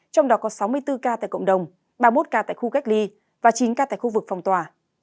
trong đó có sáu mươi bốn ca tại cộng đồng ba mươi một ca tại khu cách ly và chín ca tại khu vực phòng tỏa